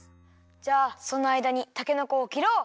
じゃあそのあいだにたけのこをきろう！